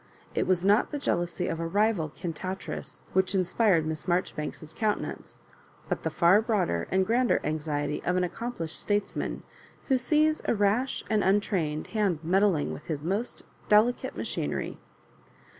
It was not the jealousy of a rival can tatrice which inspired Miss Maijoribanks's coun tenance, but the far broader and grander anxiety of an accomplished statesman, who sees a rash and untrained hand meddling with his most deli cate machinery.